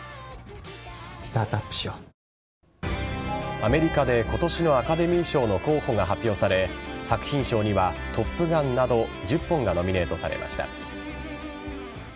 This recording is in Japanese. アメリカで、今年のアカデミー賞の候補が発表され作品賞には「トップガン」など１０本がノミネートされました。